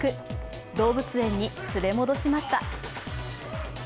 動物園に連れ戻しました。